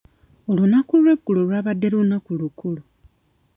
Olunaku lw'eggulo lwabadde lunaku lukulu.